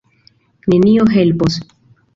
Nenio helpos.